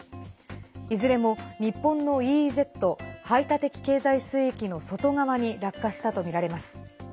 いずれも、日本のＥＥＺ＝排他的経済水域の外側に落下したとみられます。